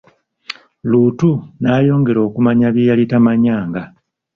Luutu n'ayongera okumanya bye yali tamanyanga.